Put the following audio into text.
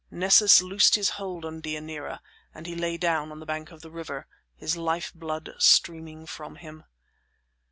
Nessus loosed his hold on Deianira, and he lay down on the bank of the river, his lifeblood streaming from him.